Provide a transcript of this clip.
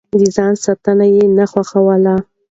د ځان ستاينه يې نه خوښوله.